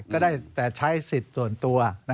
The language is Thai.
ก็ได้แต่ใช้สิทธิ์ส่วนตัว